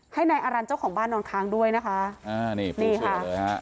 ให้นายอารันต์เจ้าของบ้านนอนค้างด้วยนะคะอ่านี่นี่ค่ะเลยฮะ